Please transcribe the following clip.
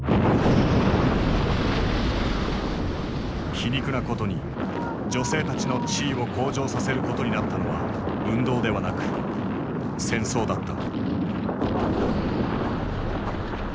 皮肉なことに女性たちの地位を向上させることになったのは運動ではなく戦争だった。